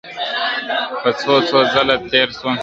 په څو څو ځله تېر سوم ..